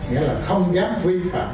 nghĩa là không dám vi phạm